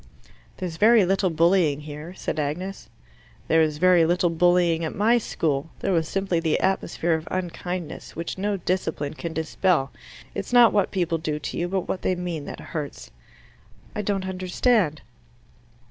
"There's very little bullying here," said Agnes. "There was very little bullying at my school. There was simply the atmosphere of unkindness, which no discipline can dispel. It's not what people do to you, but what they mean, that hurts." "I don't understand."